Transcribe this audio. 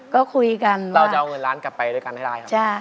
ก็คุยกันว่าป๊าก๊อตเราก็จะเอาเงินร้านกลับไปด้วยกันให้ได้ครับค่ะสนิท